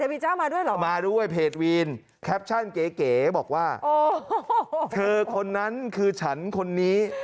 เพย์ทวีนแคปชั่นเก๋โบกว่าเธอคนนั้นคือฉันคนนี้